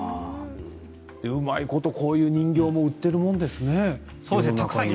うまいこと、こういう人形も売っているんですね。